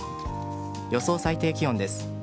予想最低気温です。